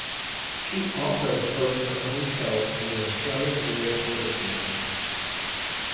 She also hosts her own show on the Australian Arena television channel.